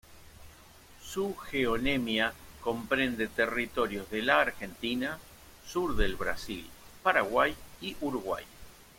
Su geonemia comprende territorios de la Argentina, sur del Brasil, Paraguay, y Uruguay.